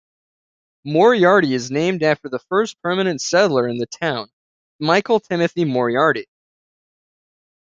Moriarty is named after the first permanent settler in the town, Michael Timothy Moriarty.